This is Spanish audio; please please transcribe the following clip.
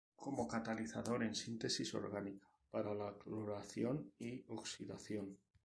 Como catalizador en síntesis orgánica para la cloración y oxidación.